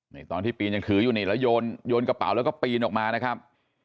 นี่ตอนที่ปีนยังถืออยู่นี่แล้วโยนกระเป๋าแล้วก็ปีนออกมานะครับ